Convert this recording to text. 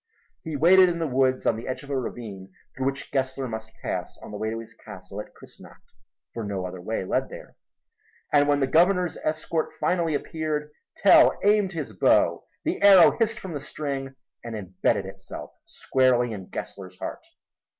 He waited in the woods on the edge of a ravine through which Gessler must pass on the way to his castle at Kussnacht, for no other way led there; and when the Governor's escort finally appeared, Tell aimed his bow, the arrow hissed from the string and imbedded itself squarely in Gessler's heart.